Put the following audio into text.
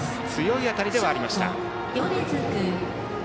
強い当たりではありました。